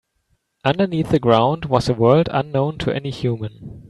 Underneath the ground was a world unknown to any human.